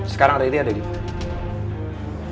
sekarang riri ada di rumah